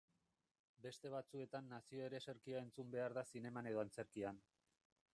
Beste batzuetan nazio ereserkia entzun behar da zineman edo antzerkian.